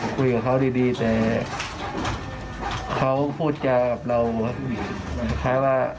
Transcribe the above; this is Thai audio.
ก็นั่งคุยกับเขาดีฮะคุยกับเขาดีแต่เขาพูดกับเราก็แบบว่า